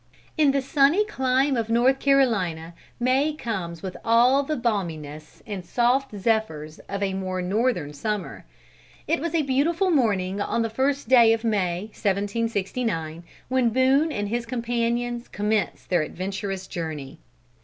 In the sunny clime of North Carolina May comes with all the balminess and soft zephyrs of a more northern summer. It was a beautiful morning on the first day of May, 1769, when Boone and his companions commenced their adventurous journey.